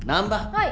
はい。